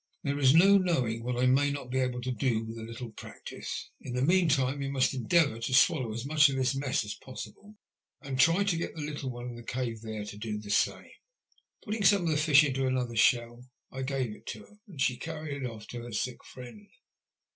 There is no knowing what I may not be able to do with a little practice. In the meantime, you must endeavour to swallow as much of this mess as possible, and try to get the little one in the cave there to do the same." Putting some of the fish into another shell, I gave it to her, and she carried it off to her sick friend.